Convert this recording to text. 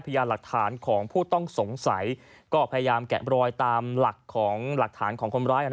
พญาหลักฐานของผู้ต้องสงสัยก็พยายามแกะบรอยตามหลักฐานของคนร้าย